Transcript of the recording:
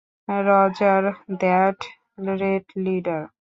Roger that, red leader.